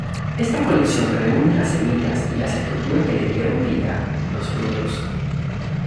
Esta colección reúne las semillas y las estructuras que les dieron vida: los frutos.